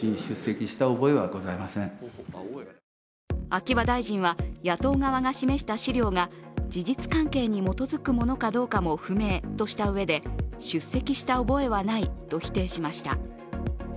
秋葉大臣は野党側が示した資料が事実関係に基づくものかどうかも不明としたうえで出席した覚えはないと否定しました。